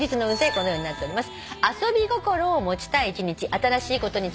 このようになっております。